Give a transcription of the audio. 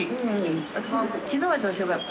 私も昨日は調子よかった。